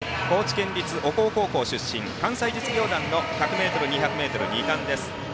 松林玲佳、高知県立岡豊高校出身関西実業団の１００ｍ、２００ｍ２冠です。